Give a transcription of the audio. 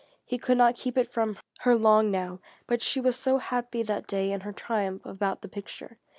He could not keep it from her long now, but she was so happy that day in her triumph about the picture.